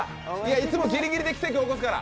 いつもギリギリで軌跡起こすから。